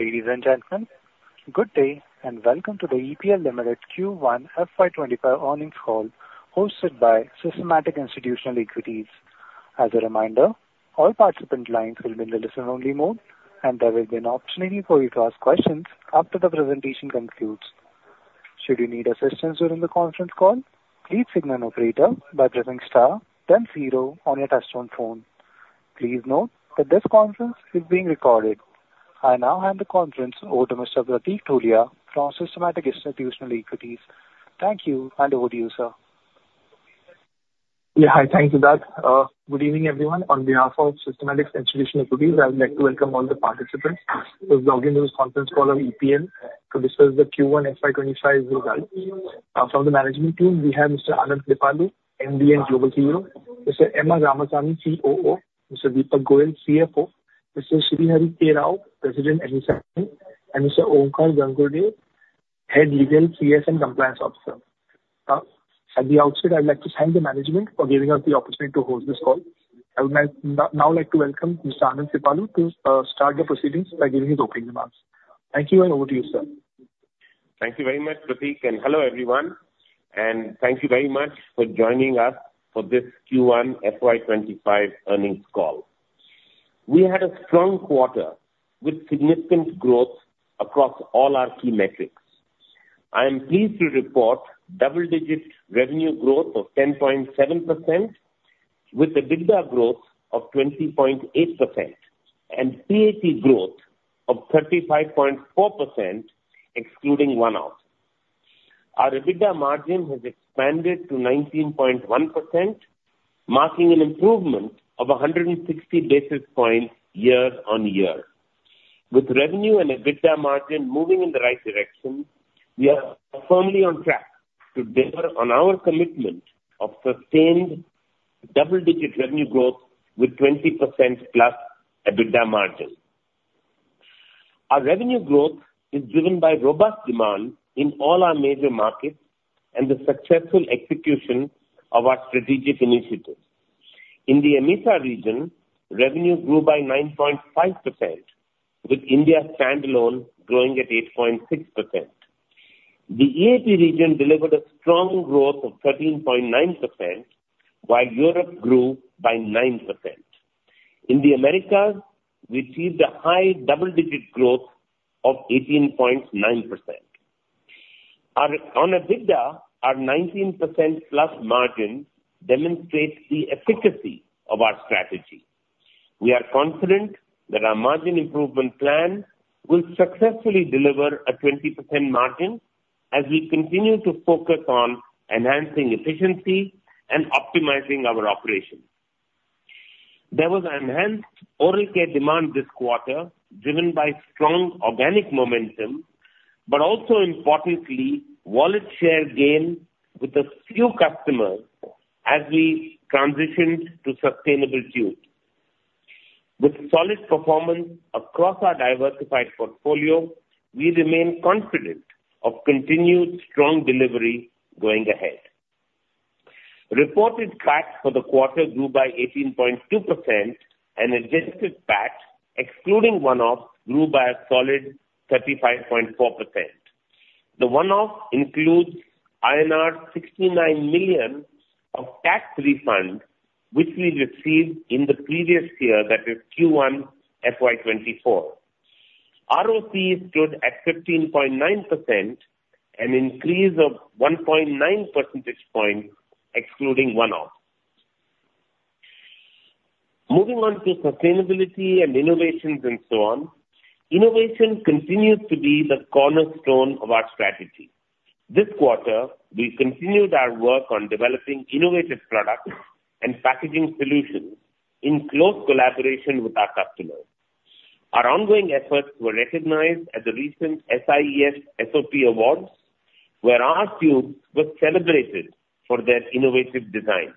Ladies and gentlemen, good day, and welcome to the EPL Limited Q1 FY25 earnings call, hosted by Systematix Institutional Equities. As a reminder, all participant lines will be in the listen-only mode, and there will be an opportunity for you to ask questions after the presentation concludes. Should you need assistance during the conference call, please signal an operator by pressing star then zero on your touchtone phone. Please note that this conference is being recorded. I now hand the conference over to Mr. Pratik Tholiya from Systematix Institutional Equities. Thank you, and over to you, sir. Yeah. Hi, thanks, Siddharth. Good evening, everyone. On behalf of Systematix Institutional Equities, I would like to welcome all the participants who have logged into this conference call on EPL to discuss the Q1 FY 25 results. From the management team, we have Mr. Anand Kripalu, MD and Global CEO, Mr. M. R. Ramaswamy, COO, Mr. Deepak Goyal, CFO, Mr. Sridhar K. Rao, President, EMEA, and Mr. Omkar Gangurde, Head Legal, CS, and Compliance Officer. At the outset, I'd like to thank the management for giving us the opportunity to host this call. I would like now to welcome Mr. Anand Kripalu to start the proceedings by giving his opening remarks. Thank you, and over to you, sir. Thank you very much, Prateek, and hello, everyone. Thank you very much for joining us for this Q1 FY2025 earnings call. We had a strong quarter with significant growth across all our key metrics. I am pleased to report double-digit revenue growth of 10.7%, with EBITDA growth of 20.8% and PAT growth of 35.4%, excluding one-off. Our EBITDA margin has expanded to 19.1%, marking an improvement of 160 basis points year-on-year. With revenue and EBITDA margin moving in the right direction, we are firmly on track to deliver on our commitment of sustained double-digit revenue growth with 20%+ EBITDA margin. Our revenue growth is driven by robust demand in all our major markets and the successful execution of our strategic initiatives. In the EMEA region, revenue grew by 9.5%, with India standalone growing at 8.6%. The EAP region delivered a strong growth of 13.9%, while Europe grew by 9%. In the Americas, we achieved a high double-digit growth of 18.9%. Our EBITDA, our 19%+ margin demonstrates the efficacy of our strategy. We are confident that our margin improvement plan will successfully deliver a 20% margin as we continue to focus on enhancing efficiency and optimizing our operations. There was an enhanced oral care demand this quarter, driven by strong organic momentum, but also importantly, wallet share gain with a few customers as we transitioned to sustainable tubes. With solid performance across our diversified portfolio, we remain confident of continued strong delivery going ahead. Reported PAT for the quarter grew by 18.2%, and adjusted PAT, excluding one-off, grew by a solid 35.4%. The one-off includes INR 69 million of tax refund, which we received in the previous year, that is Q1 FY 2024. ROCE stood at 15.9%, an increase of 1.9 percentage points, excluding one-off. Moving on to sustainability and innovations and so on. Innovation continues to be the cornerstone of our strategy. This quarter, we continued our work on developing innovative products and packaging solutions in close collaboration with our customers. Our ongoing efforts were recognized at the recent SIES SOP awards, where our tubes were celebrated for their innovative design.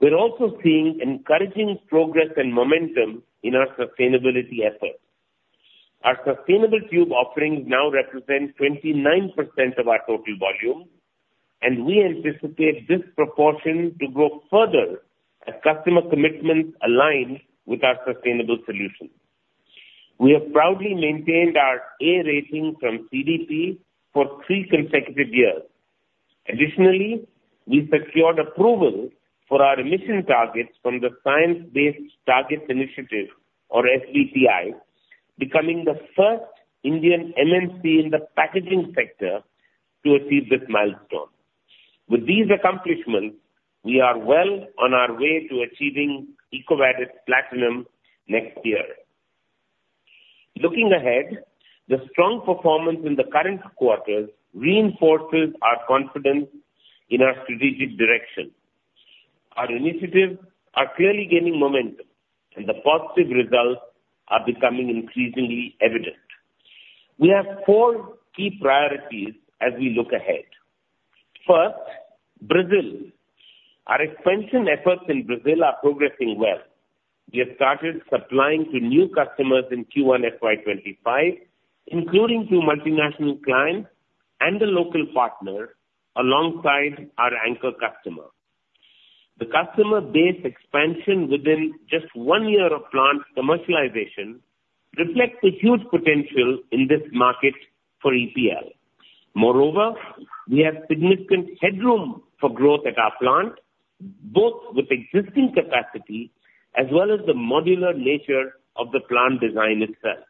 We're also seeing encouraging progress and momentum in our sustainability efforts. Our sustainable tube offerings now represent 29% of our total volume, and we anticipate this proportion to grow further as customer commitments align with our sustainable solutions. We have proudly maintained our A rating from CDP for 3 consecutive years. Additionally, we secured approval for our emission targets from the Science Based Targets initiative, or SBTi, becoming the first Indian MNC in the packaging sector to achieve this milestone. With these accomplishments, we are well on our way to achieving EcoVadis Platinum next year. Looking ahead, the strong performance in the current quarter reinforces our confidence in our strategic direction. Our initiatives are clearly gaining momentum, and the positive results are becoming increasingly evident. We have 4 key priorities as we look ahead. First, Brazil. Our expansion efforts in Brazil are progressing well. We have started supplying to new customers in Q1 FY25, including two multinational clients and a local partner alongside our anchor customer. The customer base expansion within just one year of plant commercialization reflects the huge potential in this market for EPL. Moreover, we have significant headroom for growth at our plant, both with existing capacity as well as the modular nature of the plant design itself.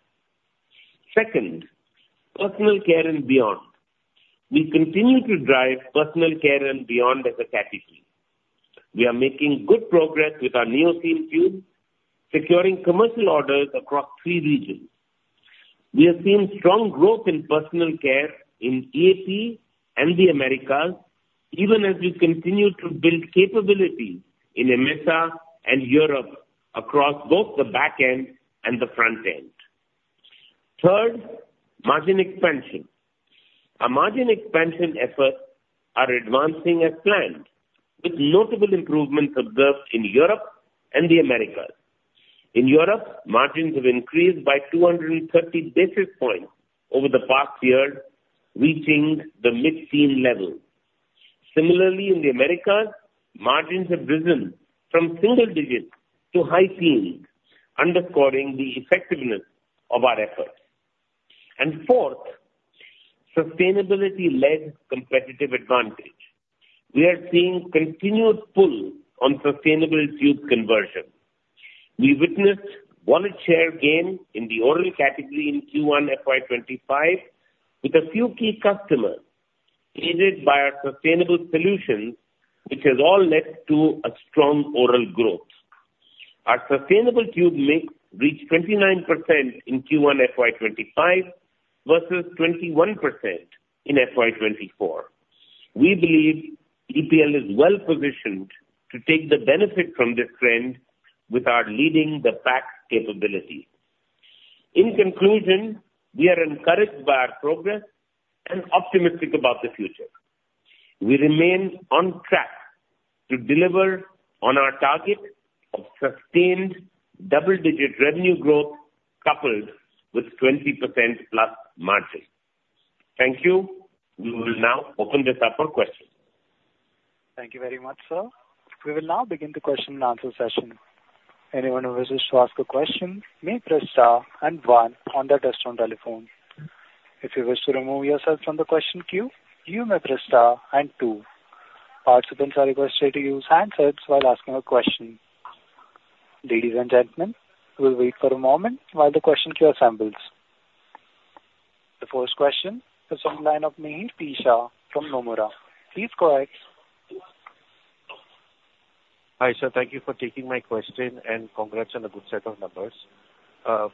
Second, personal care and beyond. We continue to drive personal care and beyond as a category. We are making good progress with our NeoSeam tube, securing commercial orders across three regions. We have seen strong growth in personal care in EAP and the Americas, even as we continue to build capability in AMESA and Europe across both the back end and the front end. Third, margin expansion. Our margin expansion efforts are advancing as planned, with notable improvements observed in Europe and the Americas. In Europe, margins have increased by 230 basis points over the past year, reaching the mid-teen level. Similarly, in the Americas, margins have risen from single digits to high teens, underscoring the effectiveness of our efforts. And fourth, sustainability-led competitive advantage. We are seeing continued pull on sustainable tube conversion. We witnessed wallet share gain in the oral category in Q1 FY 2025, with a few key customers aided by our sustainable solutions, which has all led to a strong oral growth. Our sustainable tube mix reached 29% in Q1 FY 2025 versus 21% in FY 2024. We believe EPL is well positioned to take the benefit from this trend with our leading the pack capability. In conclusion, we are encouraged by our progress and optimistic about the future. We remain on track to deliver on our target of sustained double-digit revenue growth, coupled with 20% plus margins. Thank you. We will now open this up for questions. Thank you very much, sir. We will now begin the question and answer session. Anyone who wishes to ask a question may press star and one on their desktop telephone. If you wish to remove yourself from the question queue, you may press star and two. Participants are requested to use handsets while asking a question. Ladies and gentlemen, we'll wait for a moment while the question queue assembles. The first question is on the line of Mihir P. Shah from Nomura. Please go ahead. Hi, sir. Thank you for taking my question and congrats on a good set of numbers.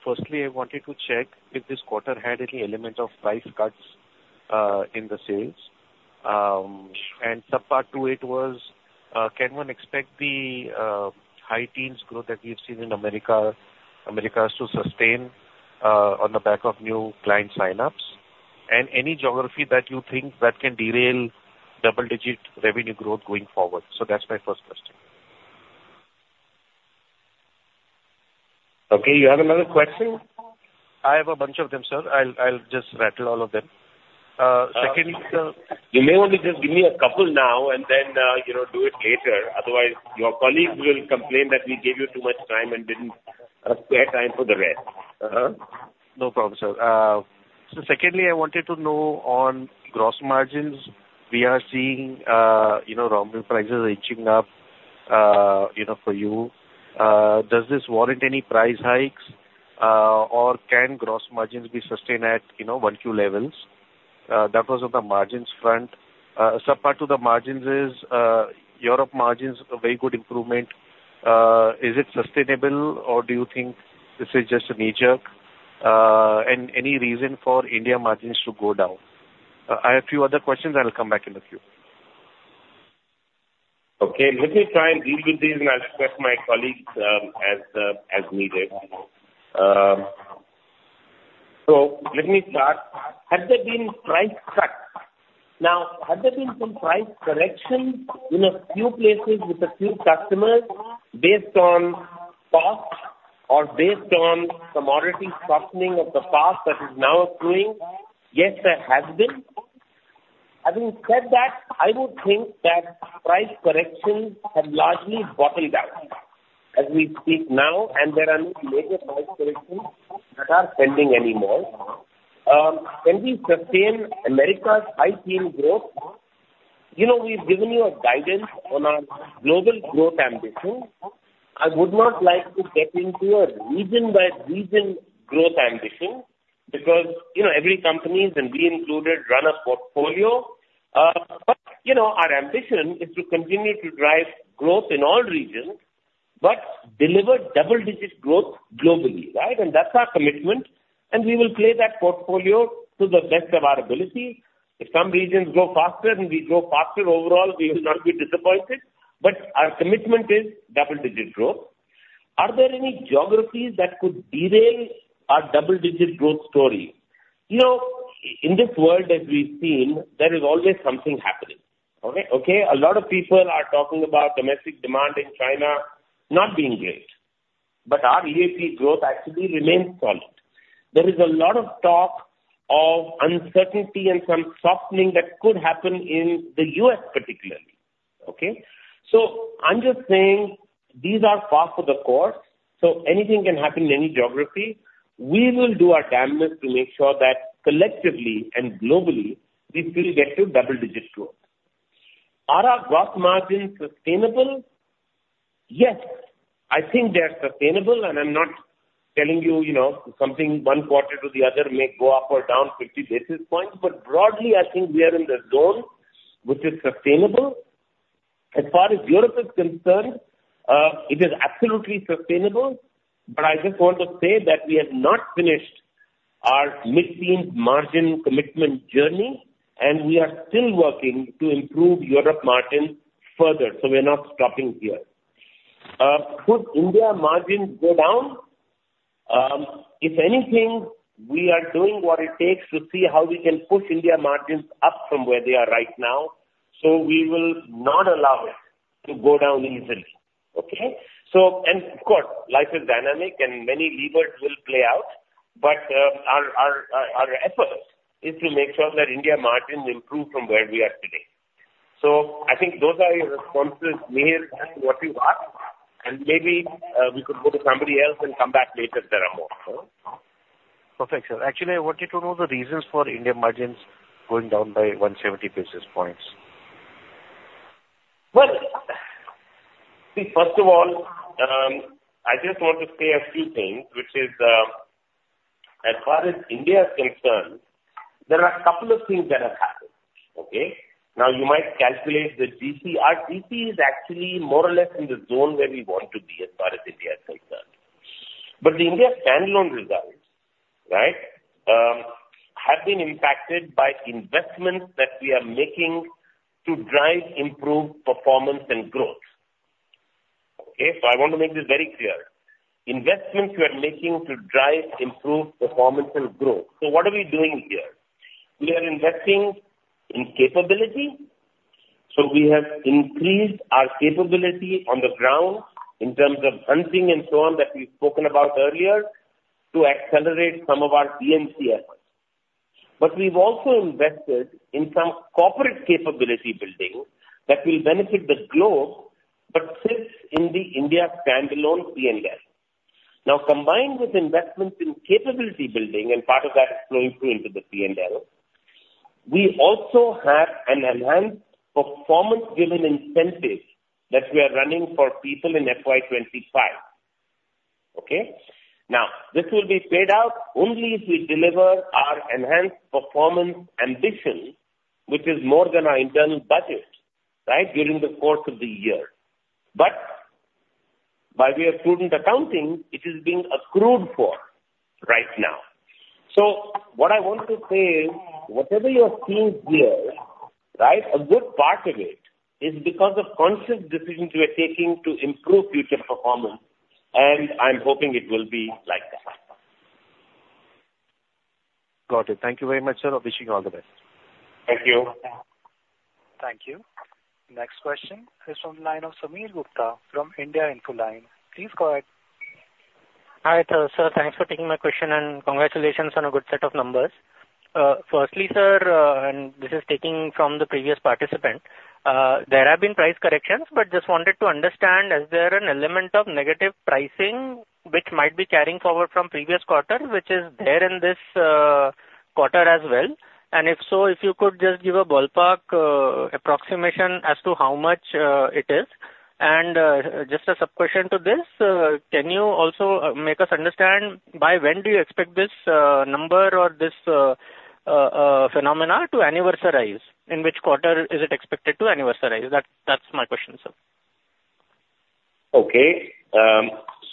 Firstly, I wanted to check if this quarter had any element of price cuts in the sales. And subpart to it was, can one expect the high teens growth that we've seen in Americas to sustain on the back of new client sign-ups? And any geography that you think that can derail double-digit revenue growth going forward? So that's my first question. Okay, you have another question? I have a bunch of them, sir. I'll just rattle all of them. Secondly, sir. You may want to just give me a couple now and then, you know, do it later. Otherwise, your colleagues will complain that we gave you too much time and didn't spare time for the rest. No problem, sir. So secondly, I wanted to know on gross margins, we are seeing, you know, raw material prices inching up, you know, for you. Does this warrant any price hikes, or can gross margins be sustained at, you know, 1Q levels? That was on the margins front. Subpart to the margins is, Europe margins, a very good improvement. Is it sustainable or do you think this is just a knee-jerk? And any reason for India margins to go down? I have a few other questions. I'll come back in the queue. Okay, let me try and deal with these, and I'll ask my colleagues, as needed. So let me start. Has there been price cuts? Now, has there been some price corrections in a few places with a few customers based on cost or based on commodity softening of the past that is now accruing? Yes, there has been. Having said that, I would think that price corrections have largely bottled up as we speak now, and there are no major price corrections that are pending anymore. Can we sustain America's high teen growth? You know, we've given you a guidance on our global growth ambition. I would not like to get into a region by region growth ambition, because, you know, every company, and we included, run a portfolio. But, you know, our ambition is to continue to drive growth in all regions, but deliver double-digit growth globally, right? And that's our commitment, and we will play that portfolio to the best of our ability. If some regions grow faster and we grow faster overall, we will not be disappointed, but our commitment is double-digit growth. Are there any geographies that could derail our double-digit growth story? You know, in this world, as we've seen, there is always something happening. Okay? Okay, a lot of people are talking about domestic demand in China not being great... but our EAP growth actually remains solid. There is a lot of talk of uncertainty and some softening that could happen in the U.S. particularly, okay? So I'm just saying these are par for the course, so anything can happen in any geography. We will do our damnedest to make sure that collectively and globally, we will get to double-digit growth. Are our gross margins sustainable? Yes, I think they are sustainable, and I'm not telling you, you know, something one quarter to the other may go up or down 50 basis points, but broadly, I think we are in the zone which is sustainable. As far as Europe is concerned, it is absolutely sustainable, but I just want to say that we have not finished our midstream margin commitment journey, and we are still working to improve Europe margin further, so we are not stopping here. Could India margins go down? If anything, we are doing what it takes to see how we can push India margins up from where they are right now. So we will not allow it to go down easily, okay? So, and of course, life is dynamic and many levers will play out, but our effort is to make sure that India margins improve from where we are today. So I think those are your responses made and what you asked, and maybe we could go to somebody else and come back later if there are more, so. Perfect, sir. Actually, I wanted to know the reasons for India margins going down by 170 basis points. Well, see, first of all, I just want to say a few things, which is, as far as India is concerned, there are a couple of things that have happened, okay? Now, you might calculate the GC. Our GC is actually more or less in the zone where we want to be as far as India is concerned. But the India standalone results, right, have been impacted by investments that we are making to drive improved performance and growth. Okay, so I want to make this very clear. Investments we are making to drive improved performance and growth. So what are we doing here? We are investing in capability, so we have increased our capability on the ground in terms of hunting and so on, that we've spoken about earlier, to accelerate some of our P&Cs. But we've also invested in some corporate capability building that will benefit the globe, but sits in the India standalone P&L. Now, combined with investments in capability building, and part of that is flowing through into the P&L, we also have an enhanced performance-driven incentive that we are running for people in FY 25, okay? Now, this will be paid out only if we deliver our enhanced performance ambition, which is more than our internal budget, right, during the course of the year. But by way of prudent accounting, it is being accrued for right now. So what I want to say is, whatever you are seeing here, right, a good part of it is because of conscious decisions we are taking to improve future performance, and I'm hoping it will be like that. Got it. Thank you very much, sir. Wishing you all the best. Thank you. Thank you. Next question is from the line of Sameer Gupta from India Infoline. Please go ahead. Hi, sir. Thanks for taking my question, and congratulations on a good set of numbers. Firstly, sir, and this is taking from the previous participant, there have been price corrections, but just wanted to understand, is there an element of negative pricing which might be carrying forward from previous quarter, which is there in this quarter as well? And if so, if you could just give a ballpark approximation as to how much it is. And just a sub-question to this, can you also make us understand by when do you expect this number or this phenomena to anniversarize? In which quarter is it expected to anniversarize? That, that's my question, sir. Okay.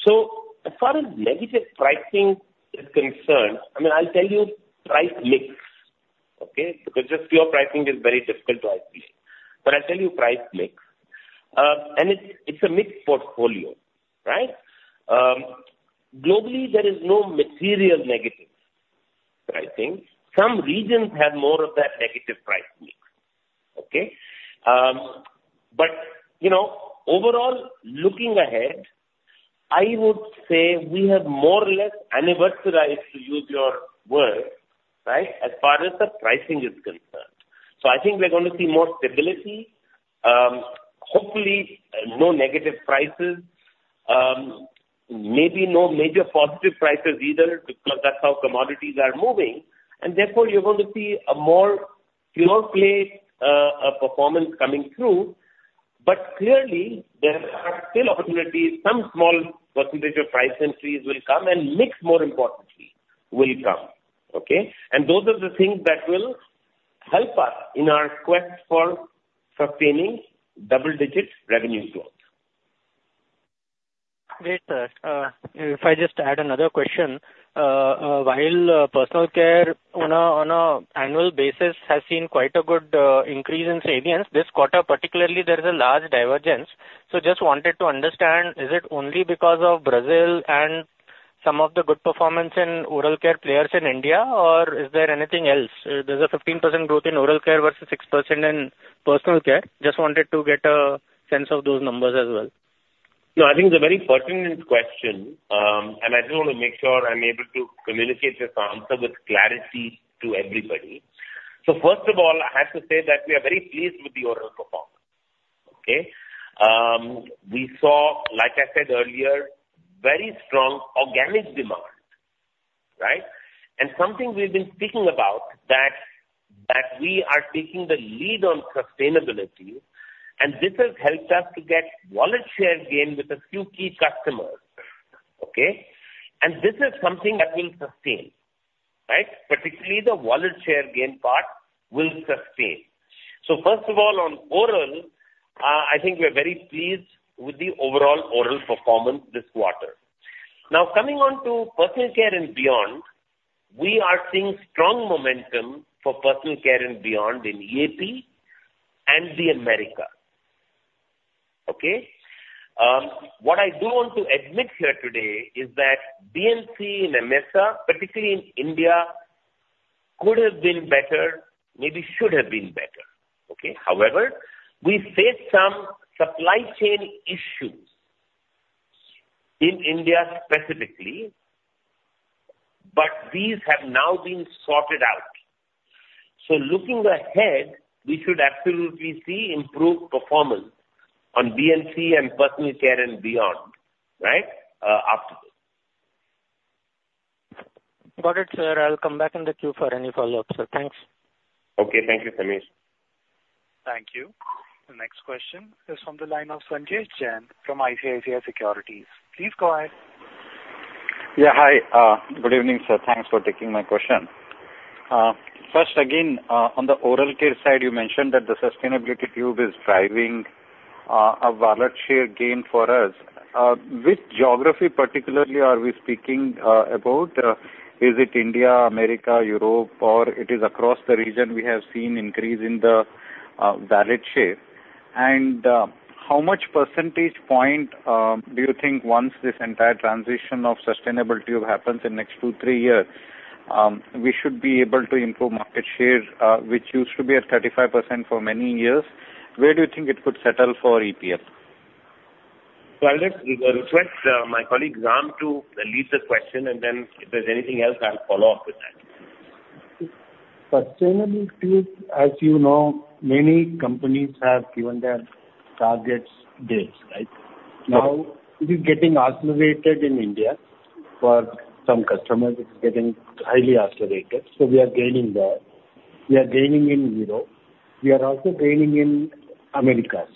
So as far as negative pricing is concerned, I mean, I'll tell you price mix, okay? Because just pure pricing is very difficult to isolate. But I'll tell you price mix, and it's, it's a mixed portfolio, right? You know, overall, looking ahead, I would say we have more or less anniversarized, to use your word, right, as far as the pricing is concerned. So I think we're going to see more stability, hopefully, no negative prices, maybe no major positive prices either, because that's how commodities are moving, and therefore, you're going to see a more clear play, performance coming through. But clearly, there are still opportunities. Some small percentage of price increases will come, and mix, more importantly, will come, okay? Those are the things that will help us in our quest for sustaining double digits revenue growth. Great, sir. If I just add another question, while personal care on an annual basis has seen quite a good increase in revenue, this quarter particularly, there is a large divergence. So just wanted to understand, is it only because of Brazil and some of the good performance in oral care players in India, or is there anything else? There's a 15% growth in oral care versus 6% in personal care. Just wanted to get a sense of those numbers as well. No, I think it's a very pertinent question, and I just want to make sure I'm able to communicate this answer with clarity to everybody. So first of all, I have to say that we are very pleased with the oral performance, okay? We saw, like I said earlier, very strong organic demand, right? And something we've been speaking about, we are taking the lead on sustainability, and this has helped us to get wallet share gain with a few key customers, okay? And this is something that will sustain, right? Particularly the wallet share gain part will sustain. So first of all, on oral, I think we're very pleased with the overall oral performance this quarter. Now, coming on to personal care and beyond, we are seeing strong momentum for personal care and beyond in AP and the Americas. Okay? What I do want to admit here today is that B&C in AMESA, particularly in India, could have been better, maybe should have been better, okay? However, we faced some supply chain issues in India specifically, but these have now been sorted out. So looking ahead, we should absolutely see improved performance on B&C and personal care and beyond, right, after this. Got it, sir. I'll come back in the queue for any follow-up, sir. Thanks. Okay. Thank you, Samir. Thank you. The next question is from the line of Sanjesh Jain from ICICI Securities. Please go ahead. Yeah, hi. Good evening, sir. Thanks for taking my question. First, again, on the oral care side, you mentioned that the sustainability tube is driving a wallet share gain for us. Which geography particularly are we speaking about? Is it India, America, Europe, or it is across the region we have seen increase in the wallet share? And how much percentage point do you think once this entire transition of sustainability happens in next two, three years we should be able to improve market share which used to be at 35% for many years. Where do you think it could settle for EPL? I'll just request my colleague, Ram, to lead the question, and then if there's anything else, I'll follow up with that. Sustainability, as you know, many companies have given their targets dates, right? Now, it is getting accelerated in India. For some customers, it's getting highly accelerated, so we are gaining there. We are gaining in Europe. We are also gaining in Americas.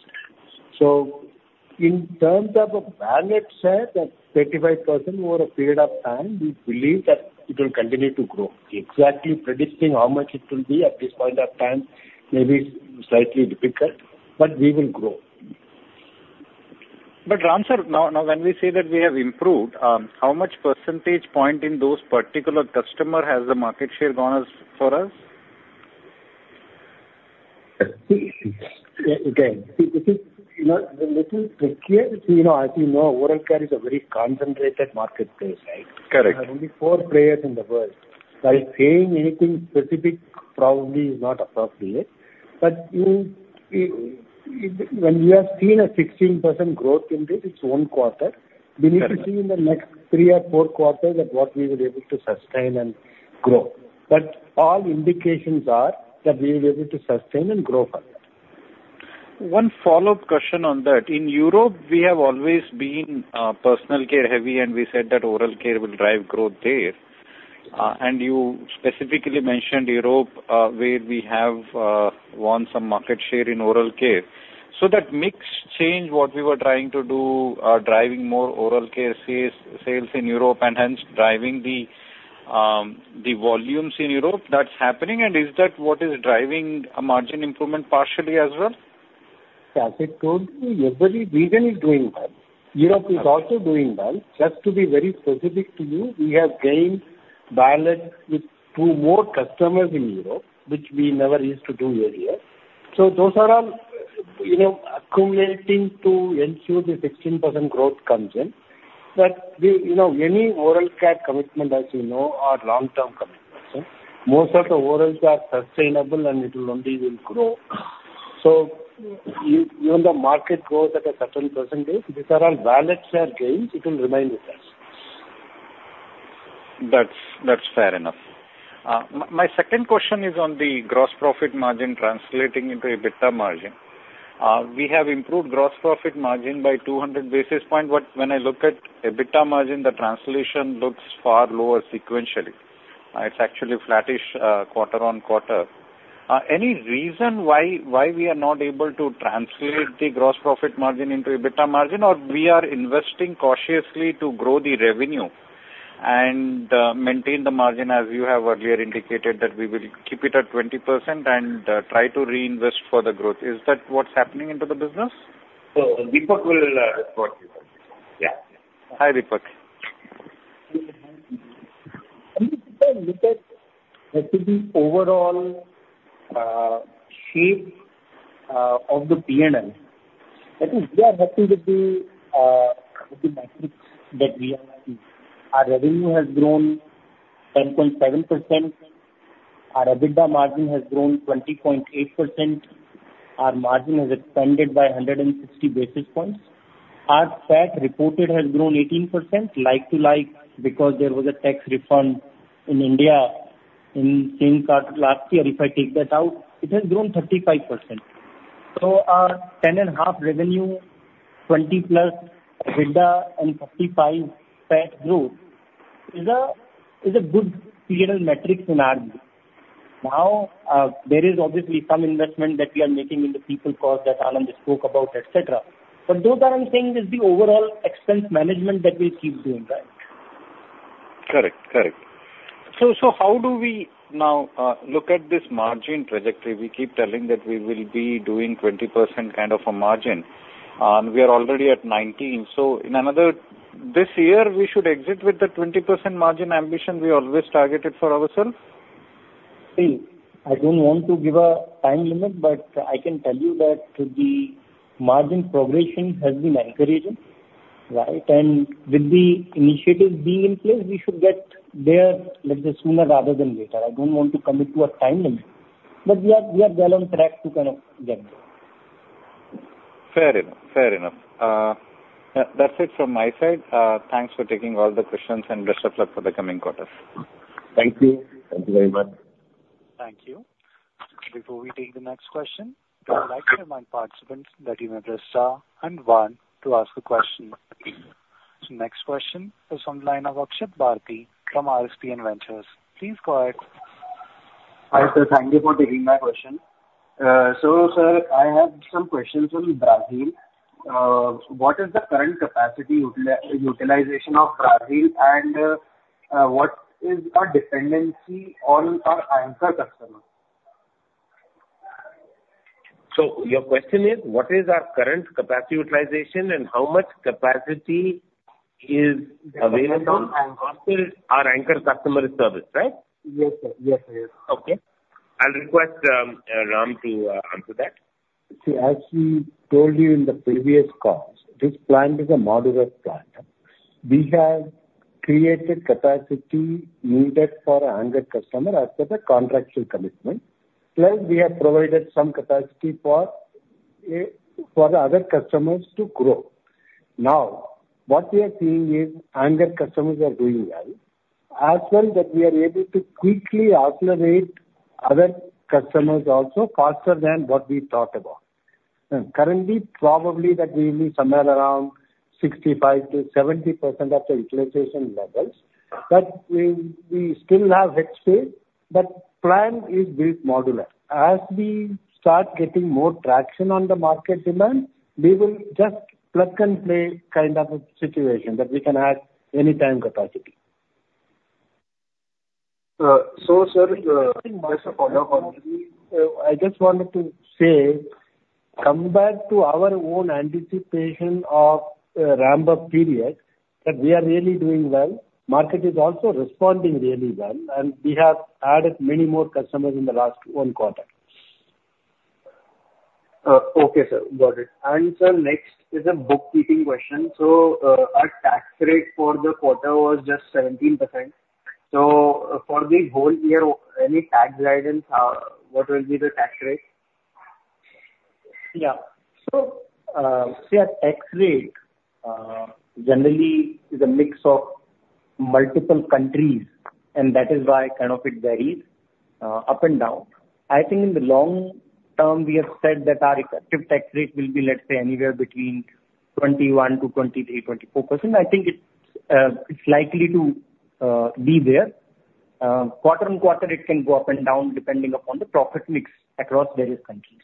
So in terms of a wallet share, that 35% over a period of time, we believe that it will continue to grow. Exactly predicting how much it will be at this point of time may be slightly difficult, but we will grow. Ram, sir, now, now, when we say that we have improved, how much percentage point in those particular customer has the market share gone as for us? Again, it is, you know, a little tricky. You know, as you know, oral care is a very concentrated market place, right? Correct. There are only four players in the world. By saying anything specific probably is not appropriate, but when we have seen a 16% growth in this, it's one quarter. Correct. We need to see in the next three or four quarters that what we were able to sustain and grow. All indications are that we will be able to sustain and grow further. One follow-up question on that. In Europe, we have always been personal care heavy, and we said that oral care will drive growth there. And you specifically mentioned Europe, where we have won some market share in oral care. So that mix change, what we were trying to do, driving more oral care sales, sales in Europe and hence driving the volumes in Europe, that's happening, and is that what is driving a margin improvement partially as well? As I told you, every region is doing well. Europe is also doing well. Just to be very specific to you, we have gained wallet share with two more customers in Europe, which we never used to do earlier. So those are all, you know, accumulating to ensure the 16% growth comes in. But the... You know, any oral care commitment, as you know, are long-term commitments. Most of the orals are sustainable, and it only will grow. So even the market grows at a certain percentage, these are all wallet share gains, it will remain with us. That's, that's fair enough. My second question is on the gross profit margin translating into EBITDA margin. We have improved gross profit margin by 200 basis points, but when I look at EBITDA margin, the translation looks far lower sequentially. It's actually flattish, quarter on quarter. Any reason why we are not able to translate the gross profit margin into EBITDA margin, or we are investing cautiously to grow the revenue and maintain the margin, as you have earlier indicated, that we will keep it at 20% and try to reinvest for the growth? Is that what's happening into the business? Deepak will report. Yeah. Hi, Deepak. If you look at actually overall shape of the P&L I think we are happy with the, with the metrics that we have. Our revenue has grown 10.7%. Our EBITDA margin has grown 20.8%. Our margin has expanded by 160 basis points. Our PAT reported has grown 18% like to like, because there was a tax refund in India in same quarter last year. If I take that out, it has grown 35%. So our 10.5 revenue, 20+ EBITDA and 55 PAT growth is a, is a good period of metrics in our view. Now, there is obviously some investment that we are making in the people cost that Anand spoke about, et cetera. But those are, I'm saying, is the overall expense management that we keep doing, right? Correct. Correct. So, so how do we now look at this margin trajectory? We keep telling that we will be doing 20% kind of a margin, and we are already at 19%. So in another... This year, we should exit with the 20% margin ambition we always targeted for ourselves? See, I don't want to give a time limit, but I can tell you that the margin progression has been encouraging, right? And with the initiatives being in place, we should get there, let's say, sooner rather than later. I don't want to commit to a time limit, but we are, we are well on track to kind of get there. Fair enough. Fair enough. That, that's it from my side. Thanks for taking all the questions, and best of luck for the coming quarters. Thank you. Thank you very much. Thank you. Before we take the next question, I'd like to remind participants that you may press star and one to ask a question. So next question is from the line of Akshit Bharti from RSPN Ventures. Please go ahead. Hi, sir. Thank you for taking my question. So, sir, I have some questions on Brazil. What is the current capacity utilization of Brazil, and what is our dependency on our anchor customer? So your question is, what is our current capacity utilization and how much capacity is available? Yes, sir. our anchor customer service, right? Yes, sir. Yes, yes. Okay. I'll request Ram to answer that. See, as we told you in the previous calls, this plant is a modular plant. We have created capacity needed for our anchor customer as per the contractual commitment, plus we have provided some capacity for the other customers to grow. Now, what we are seeing is, anchor customers are doing well, as well that we are able to quickly accelerate other customers also faster than what we thought about. And currently, probably that we will be somewhere around 65%-70% of the utilization levels, but we still have head space, but plan is built modular. As we start getting more traction on the market demand, we will just plug and play kind of a situation that we can add any time capacity. So, sir, just to follow up on- I just wanted to say, compared to our own anticipation of a ramp-up period, that we are really doing well. Market is also responding really well, and we have added many more customers in the last 1 quarter. Okay, sir. Got it. And sir, next is a bookkeeping question. So, our tax rate for the quarter was just 17%. So for the whole year, any tax guidance, what will be the tax rate? Yeah. So, see, our tax rate, generally is a mix of multiple countries, and that is why kind of it varies, up and down. I think in the long term, we have said that our effective tax rate will be, let's say, anywhere between 21%-24%. I think it's, it's likely to, be there. Quarter on quarter, it can go up and down, depending upon the profit mix across various countries.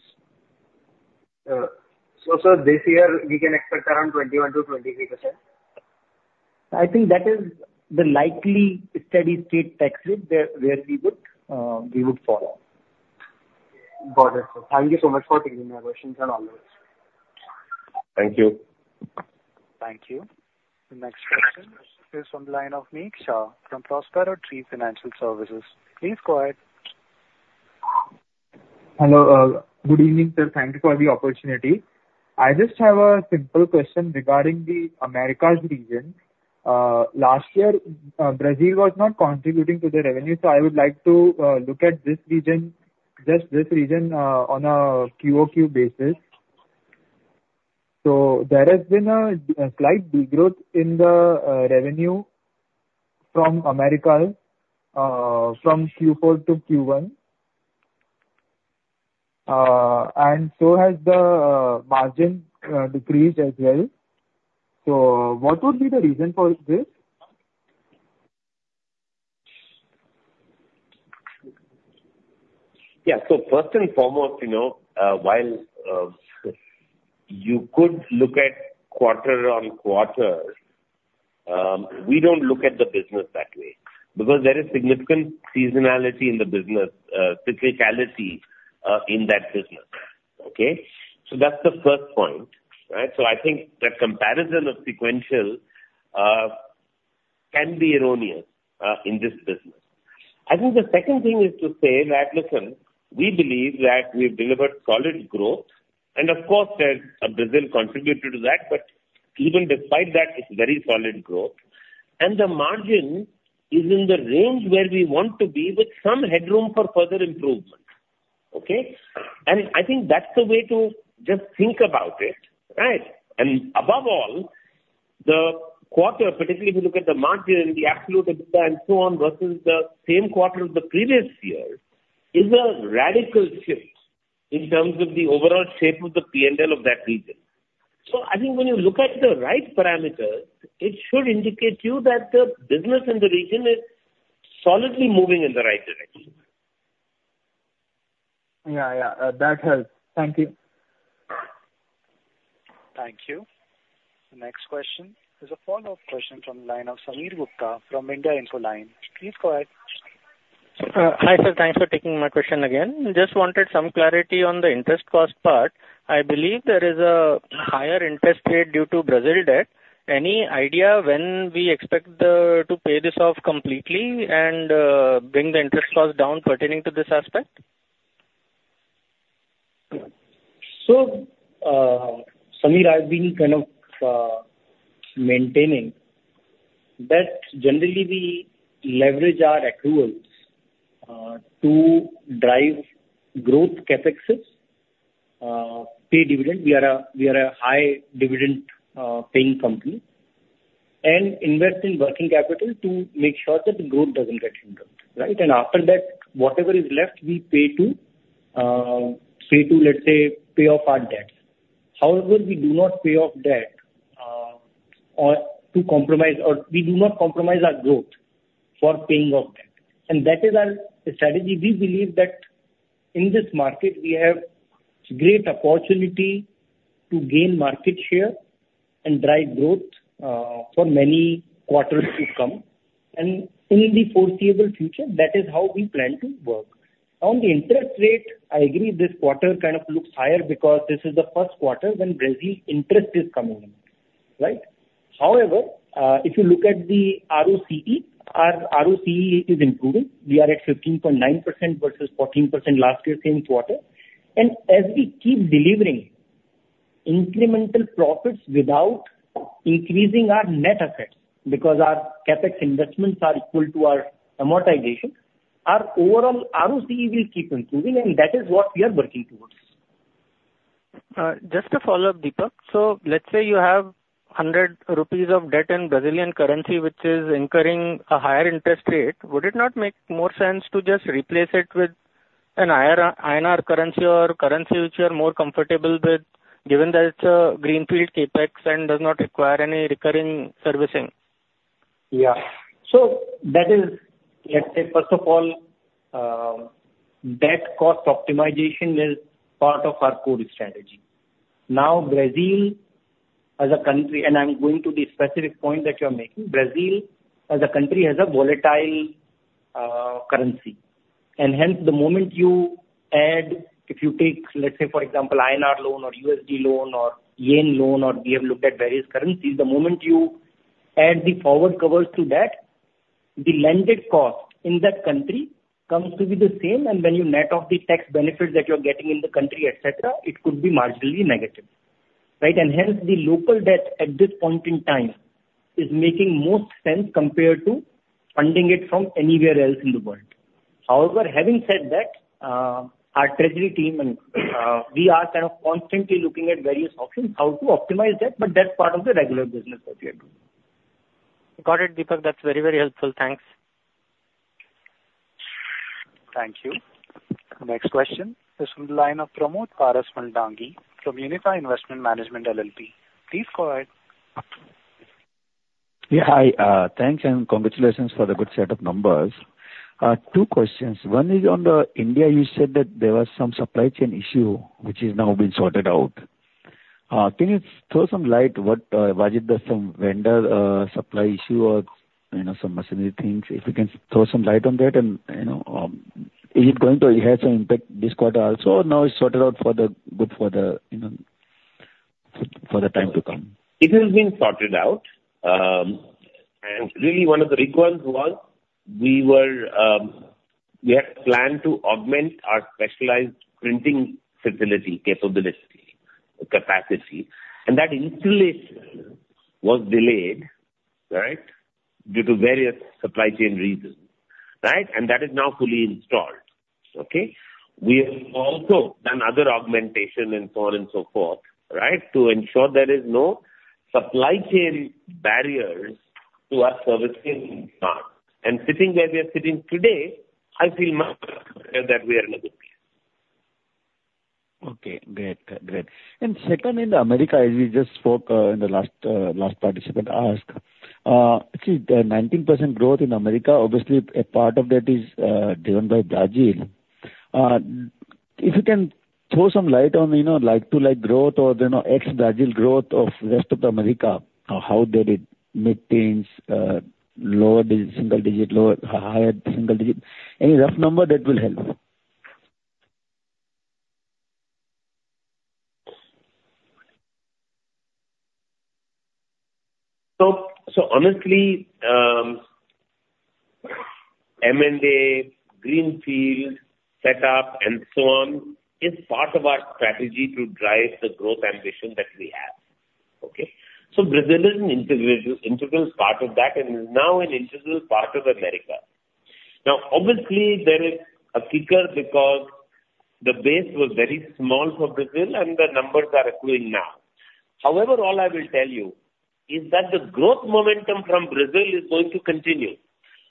So, sir, this year we can expect around 21%-23%? I think that is the likely steady-state tax rate where we would follow. Got it, sir. Thank you so much for taking my questions and all those. Thank you. Thank you. The next question is on the line of Nik Shah from Prospero Tree Financial Services. Please go ahead. Hello. Good evening, sir. Thank you for the opportunity. I just have a simple question regarding the Americas region. Last year, Brazil was not contributing to the revenue, so I would like to look at this region, just this region, on a QOQ basis. So there has been a slight degrowth in the revenue from Americas, from Q4 to Q1, and so has the margin decreased as well. So what would be the reason for this? Yeah. So first and foremost, you know, while you could look at quarter-on-quarter, we don't look at the business that way, because there is significant seasonality in the business, cyclicality in that business. Okay? So that's the first point, right? So I think the comparison of sequential,... can be erroneous, in this business. I think the second thing is to say that, listen, we believe that we've delivered solid growth, and of course, Brazil contributed to that, but even despite that, it's very solid growth. The margin is in the range where we want to be, with some headroom for further improvement. Okay? I think that's the way to just think about it, right? Above all, the quarter, particularly if you look at the margin, the absolute EBITDA, and so on, versus the same quarter of the previous year, is a radical shift in terms of the overall shape of the P&L of that region. So I think when you look at the right parameters, it should indicate to you that the business in the region is solidly moving in the right direction. Yeah, yeah. That helps. Thank you. Thank you. Next question is a follow-up question from the line of Sameer Gupta from India Infoline. Please go ahead. Hi, sir. Thanks for taking my question again. Just wanted some clarity on the interest cost part. I believe there is a higher interest rate due to Brazil debt. Any idea when we expect to pay this off completely and bring the interest cost down pertaining to this aspect? So, Samir, I've been kind of maintaining that generally we leverage our accruals to drive growth CapEx, pay dividend. We are a high dividend paying company, and invest in working capital to make sure that the growth doesn't get hindered, right? And after that, whatever is left, we pay to, let's say, pay off our debt. However, we do not pay off debt, or to compromise, or we do not compromise our growth for paying off debt, and that is our strategy. We believe that in this market, we have great opportunity to gain market share and drive growth for many quarters to come, and in the foreseeable future, that is how we plan to work. On the interest rate, I agree this quarter kind of looks higher because this is the first quarter when Brazil interest is coming in, right? However, if you look at the ROCE, our ROCE is improving. We are at 15.9% versus 14% last year, same quarter. And as we keep delivering incremental profits without increasing our net assets, because our CapEx investments are equal to our amortization, our overall ROCE will keep improving, and that is what we are working towards. Just a follow-up, Deepak. So let's say you have 100 rupees of debt in Brazilian currency, which is incurring a higher interest rate. Would it not make more sense to just replace it with an INR currency or currency which you are more comfortable with, given that it's a greenfield CapEx and does not require any recurring servicing? Yeah. So that is, let's say, first of all, debt cost optimization is part of our core strategy. Now, Brazil as a country, and I'm going to the specific point that you're making, Brazil as a country has a volatile currency, and hence, the moment you add, if you take, let's say, for example, INR loan or USD loan or yen loan, or we have looked at various currencies, the moment you add the forward covers to that, the landed cost in that country comes to be the same. And when you net off the tax benefits that you're getting in the country, et cetera, it could be marginally negative, right? And hence, the local debt at this point in time is making more sense compared to funding it from anywhere else in the world. However, having said that, our treasury team and we are kind of constantly looking at various options, how to optimize that, but that's part of the regular business that we are doing. Got it, Deepak. That's very, very helpful. Thanks. Thank you. Next question is from the line of Pramod Parasmal Dangi from Unifi Investment Management LLP. Please go ahead. Yeah, hi, thanks, and congratulations for the good set of numbers. Two questions. One is on the India. You said that there was some supply chain issue which is now been sorted out. Can you throw some light what was it just some vendor supply issue or, you know, some machinery things? If you can throw some light on that and, you know, is it going to have some impact this quarter also, or now it's sorted out for the good for the, you know, for the time to come? It has been sorted out, and really one of the requirements was we were, we had planned to augment our specialized printing facility capability, capacity, and that installation was delayed, right? Due to various supply chain reasons, right? And that is now fully installed. Okay? We have also done other augmentation and so on and so forth, right? To ensure there is no supply chain barriers to our servicing part. And sitting where we are sitting today, I feel now, that we are in a good place. Okay, great. Great. Second, in America, as we just spoke, in the last, last participant ask, actually, the 19% growth in America, obviously a part of that is, driven by Brazil. If you can throw some light on, you know, like-to-like growth or, you know, ex Brazil growth of rest of the America, or how did it mid-teens, lower single digit, lower, higher single digit? Any rough number, that will help.... So honestly, M&A, greenfield setup, and so on, is part of our strategy to drive the growth ambition that we have. Okay? So Brazil is an integral, integral part of that, and is now an integral part of America. Now, obviously, there is a kicker because the base was very small for Brazil and the numbers are accruing now. However, all I will tell you is that the growth momentum from Brazil is going to continue.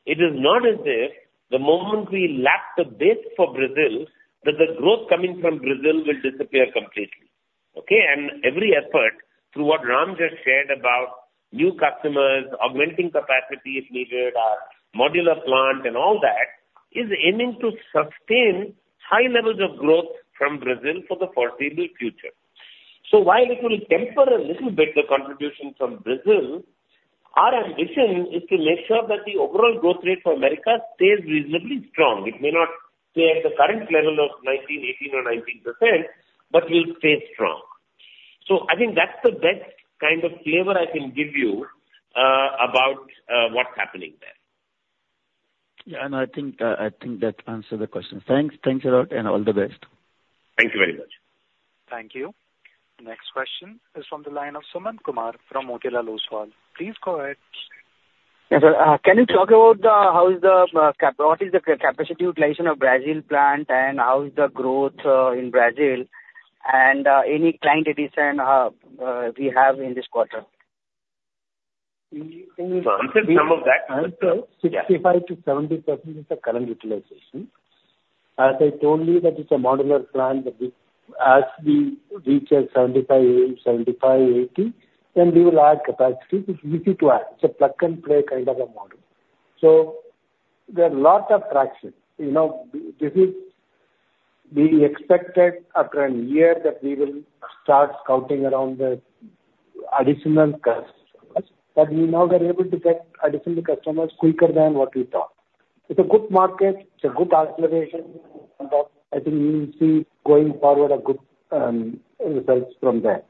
It is not as if the moment we lap the base for Brazil, that the growth coming from Brazil will disappear completely, okay? And every effort, through what Ram just shared about new customers, augmenting capacity if needed, or modular plant and all that, is aiming to sustain high levels of growth from Brazil for the foreseeable future. So while it will temper a little bit, the contribution from Brazil, our ambition is to make sure that the overall growth rate for America stays reasonably strong. It may not stay at the current level of 19, 18 or 19%, but will stay strong. So I think that's the best kind of flavor I can give you, about what's happening there. Yeah, and I think, I think that answers the question. Thanks. Thanks a lot, and all the best. Thank you very much. Thank you. The next question is from the line of Sumant Kumar from Motilal Oswal. Please go ahead. Yes, sir. Can you talk about the capacity utilization of Brazil plant, and how is the growth in Brazil, and any client addition we have in this quarter? Some of that- 65%-70% is the current utilization. As I told you, that it's a modular plant, that we, as we reach a 75, 75, 80, then we will add capacity. It's easy to add. It's a plug-and-play kind of a model. So there are lots of traction. You know, this is... We expected after a year that we will start scouting around the additional customers, but we now are able to get additional customers quicker than what we thought. It's a good market. It's a good acceleration, and I think we will see, going forward, a good results from there.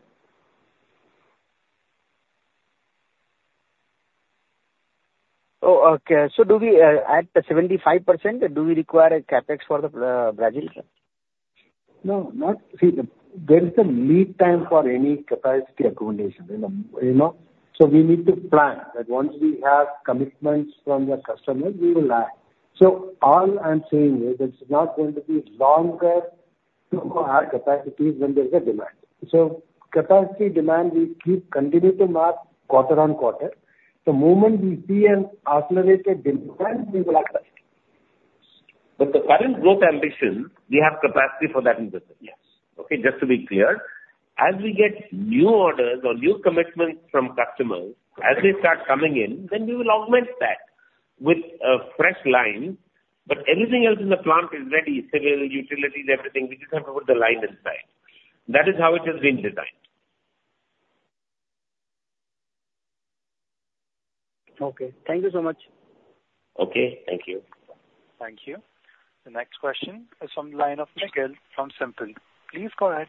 Oh, okay. So do we, at 75%, do we require a CapEx for the, Brazil plant? No, not... See, there is a lead time for any capacity accommodation, you know, you know? So we need to plan that once we have commitments from the customer, we will add. So all I'm saying is, it's not going to be longer to add capacities when there is a demand. So capacity demand will keep continuing to mark quarter on quarter. The moment we see an accelerated demand, we will add capacity. But the current growth ambition, we have capacity for that in Brazil. Yes. Okay, just to be clear, as we get new orders or new commitments from customers, as they start coming in, then we will augment that with a fresh line. But everything else in the plant is ready, civil, utilities, everything. We just have to put the line inside. That is how it has been designed. Okay. Thank you so much. Okay, thank you. Thank you. The next question is from the line of Nikhil from Simply. Please go ahead.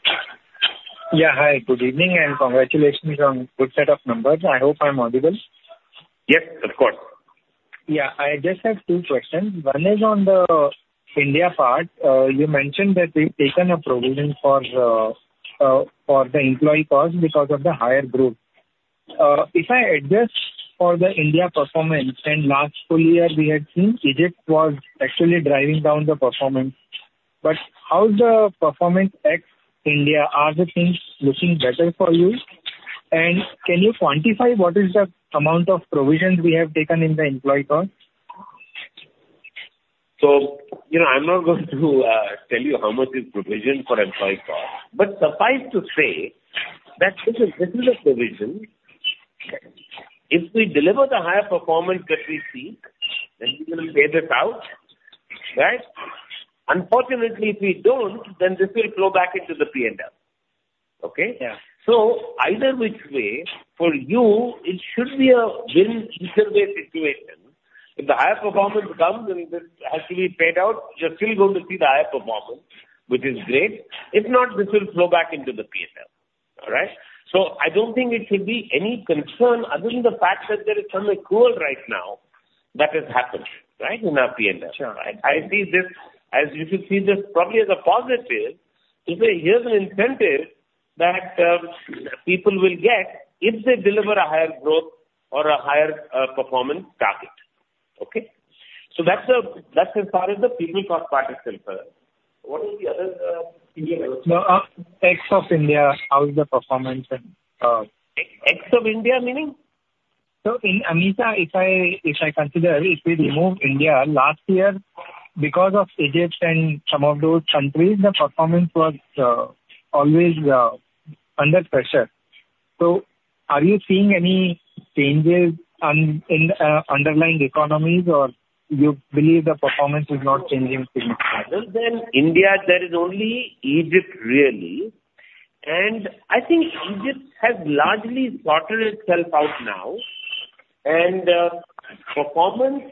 Yeah, hi, good evening, and congratulations on good set of numbers. I hope I'm audible. Yes, of course. Yeah. I just have two questions. One is on the India part. You mentioned that you've taken a provision for the employee cost because of the higher growth. If I adjust for the India performance, and last full year we had seen Egypt was actually driving down the performance, but how's the performance at India? Are the things looking better for you? And can you quantify what is the amount of provisions we have taken in the employee cost? So, you know, I'm not going to tell you how much is provision for employee cost, but suffice to say, that this is, this is a provision. If we deliver the higher performance that we seek, then we will pay this out, right? Unfortunately, if we don't, then this will flow back into the PNL. Okay? Yeah. So either which way, for you, it should be a win-either-way situation. If the higher performance comes, then this has to be paid out. You're still going to see the higher performance, which is great. If not, this will flow back into the PNL. All right? So I don't think it should be any concern other than the fact that there is some accrual right now that has happened, right, in our PNL. Sure. I see this as you should see this probably as a positive. To say, here's an incentive that people will get if they deliver a higher growth or a higher performance target. Okay? So that's as far as the people cost part is concerned. What were the other India questions? No, ex-India, how is the performance and, Ex, ex of India, meaning? So in AMESA, if I consider, if we remove India, last year, because of Egypt and some of those countries, the performance was always under pressure. So are you seeing any changes in underlying economies, or you believe the performance is not changing significantly? Well, then in India, there is only Egypt, really, and I think Egypt has largely sorted itself out now... And, performance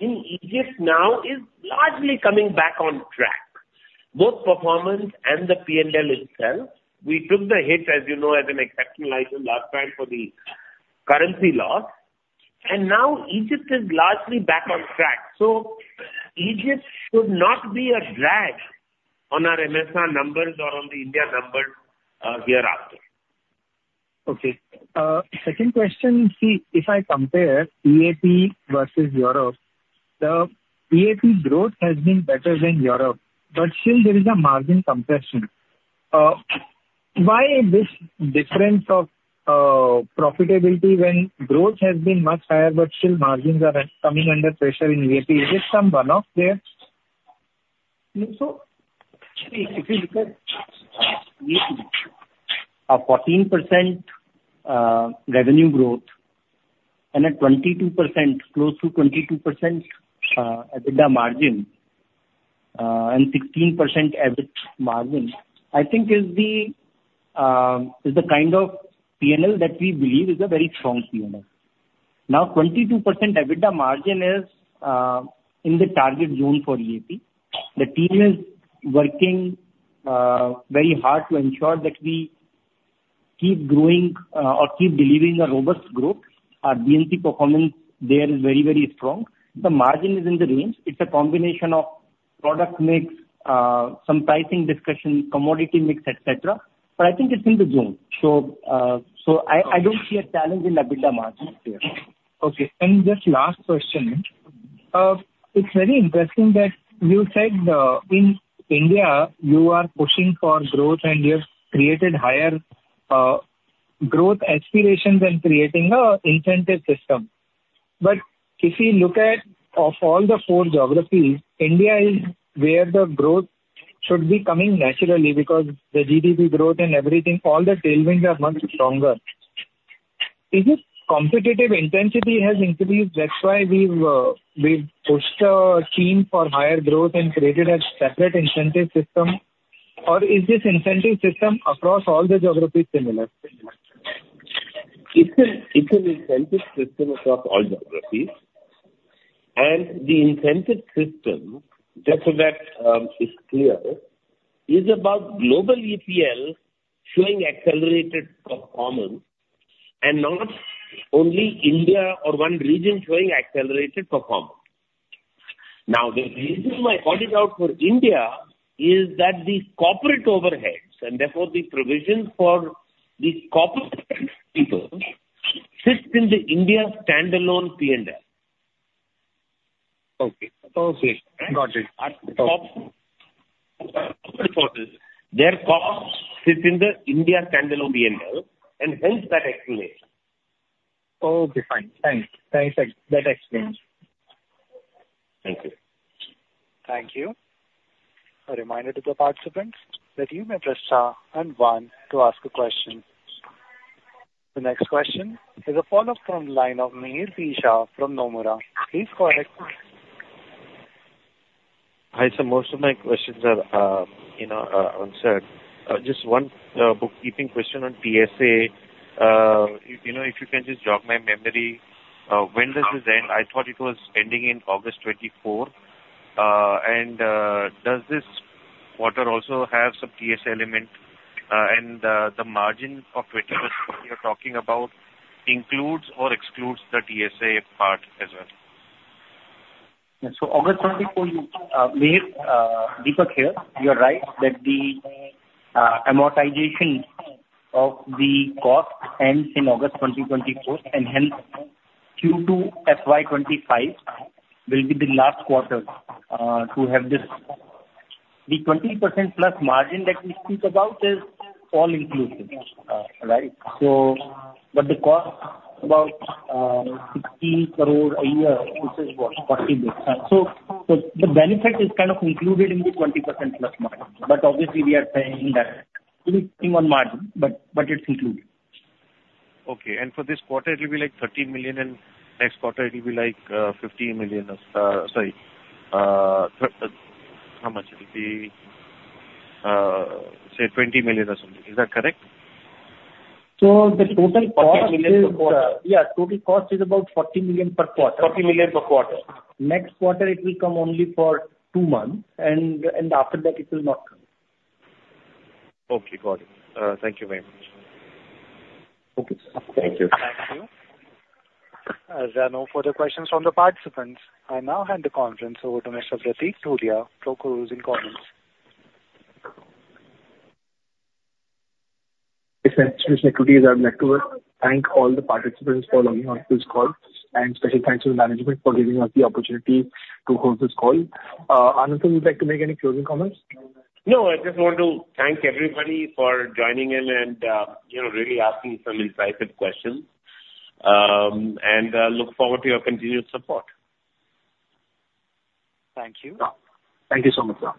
in Egypt now is largely coming back on track. Both performance and the P&L itself. We took the hit, as you know, as an exceptional item last time for the currency loss, and now Egypt is largely back on track. So Egypt should not be a drag on our MSR numbers or on the India numbers, hereafter. Okay. Second question, see, if I compare EAP versus Europe, the EAP growth has been better than Europe, but still there is a margin compression. Why this difference of profitability when growth has been much higher, but still margins are coming under pressure in EAP? Is it some one-off there? So if you look at EAP, a 14% revenue growth and a 22%, close to 22%, EBITDA margin, and 16% EBIT margin, I think is the, is the kind of PNL that we believe is a very strong PNL. Now, 22% EBITDA margin is, in the target zone for EAP. The team is working very hard to ensure that we keep growing, or keep delivering a robust growth. Our B&C performance there is very, very strong. The margin is in the range. It's a combination of product mix, some pricing discussion, commodity mix, et cetera. But I think it's in the zone. So, so I, I don't see a challenge in EBITDA margin there. Okay. Just last question. It's very interesting that you said in India, you are pushing for growth and you have created higher growth aspirations and creating a incentive system. But if you look at, of all the four geographies, India is where the growth should be coming naturally, because the GDP growth and everything, all the tailwinds are much stronger. Is it competitive intensity has increased, that's why we've we've pushed a scheme for higher growth and created a separate incentive system? Or is this incentive system across all the geographies similar? It's an incentive system across all geographies. The incentive system, just so that is clear, is about global EPL showing accelerated performance and not only India or one region showing accelerated performance. Now, the reason why I called it out for India is that the corporate overheads, and therefore the provision for the corporate people, sits in the India standalone PNL. Okay. Okay. Got it. Their cost sits in the India standalone PNL, and hence that explanation. Okay, fine. Thanks. Thanks, that explains. Thank you. Thank you. A reminder to the participants that you may press star and one to ask a question. The next question is a follow-up from line of Mihir P. Shah from Nomura. Please go ahead. Hi, sir. Most of my questions are, you know, answered. Just one, bookkeeping question on TSA. You know, if you can just jog my memory, when does this end? I thought it was ending in August 2024. And, does this quarter also have some TSA element, and, the margin of 20% you're talking about includes or excludes the TSA part as well? So August 2024, Mihir, Deepak here. You are right that the amortization of the cost ends in August 2024, and hence Q2 FY 2025 will be the last quarter to have this. The 20%+ margin that we speak about is all inclusive, right? So but the cost, about 16 crore a year, which is what, 40 basis points. So, so the benefit is kind of included in the 20%+ margin, but obviously we are paying that on margin, but, but it's included. Okay. For this quarter it will be like 13 million, and next quarter it will be like, sorry, how much? It will be, say, 20 million or something. Is that correct? So the total cost is. 30 million per quarter. Yeah, total cost is about 40 million per quarter. 40 million per quarter. Next quarter, it will come only for two months, and after that it will not come. Okay, got it. Thank you very much. Okay. Thank you. Thank you. As there are no further questions from the participants, I now hand the conference over to Mr. Prateek Thuria, Systematix Institutional Equities. Thanks, Institutional Equities. I'd like to thank all the participants for logging on to this call, and special thanks to the management for giving us the opportunity to hold this call. Anand, would you like to make any closing comments? No, I just want to thank everybody for joining in and, you know, really asking some insightful questions. And look forward to your continued support. Thank you. Yeah. Thank you so much, sir.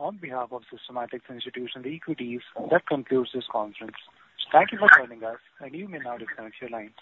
On behalf of Systematix Institutional Equities, that concludes this conference. Thank you for joining us, and you may now disconnect your lines.